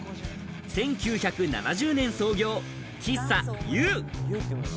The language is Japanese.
１９７０年創業、喫茶ＹＯＵ。